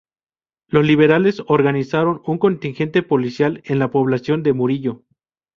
Los liberales organizaron un contingente policial en la población de Murillo.